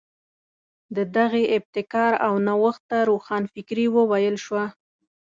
د دغې ابتکار او نوښت ته روښانفکري وویل شوه.